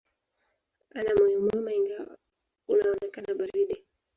Ana moyo mwema, ingawa unaonekana baridi.